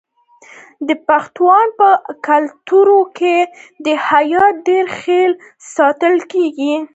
د پښتنو په کلتور کې د حیا ډیر خیال ساتل کیږي.